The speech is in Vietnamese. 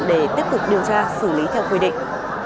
để tiếp tục điều tra xử lý theo quy định